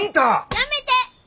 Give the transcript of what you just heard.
やめて！